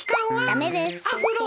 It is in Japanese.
ダメです。